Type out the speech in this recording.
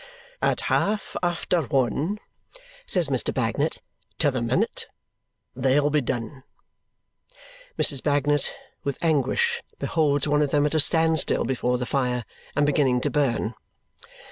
"At half after one." Says Mr. Bagnet. "To the minute. They'll be done." Mrs. Bagnet, with anguish, beholds one of them at a standstill before the fire and beginning to burn.